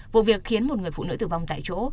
vụ việc khiến một người phụ nữ tử vong tại chỗ